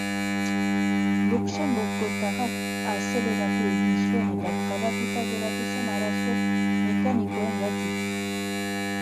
Luxenburgotarrak azeleratu egin zuen eta trabatuta geratu zen arazo mekanikoengatik.